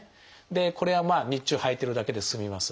これはまあ日中はいてるだけで済みます。